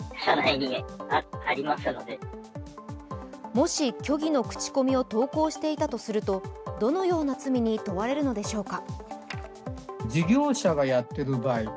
もし虚偽の口コミを投稿していたとするとどのような罪に問われるのでしょうか。